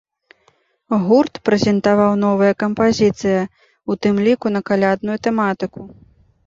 Гурт прэзентаваў новыя кампазіцыя, у тым ліку на калядную тэматыку.